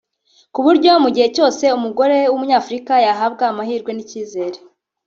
ku buryo mu gihe cyose umugore w’Umunyafurika yababwa amahirwe n’icyizere